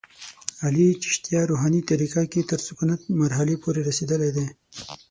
علي چشتیه روحاني طریقه کې تر سکونت مرحلې پورې رسېدلی دی.